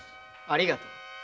ありがとう。